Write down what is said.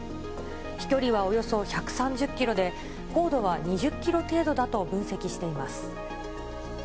飛距離はおよそ１３０キロで、高度は２０キロ程度だと分析しています。